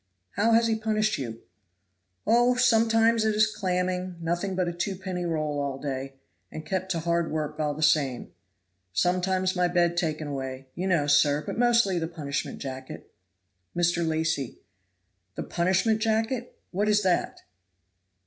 "How has he punished you?" "Oh! sometimes it is clamming; nothing but a twopenny roll all day, and kept to hard work all the same; sometimes my bed taken away, you know, sir, but mostly the punishment jacket." Mr. Lacy. "The punishment jacket; what is that?"